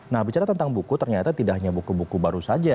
nah bicara tentang buku ternyata tidak hanya buku buku baru saja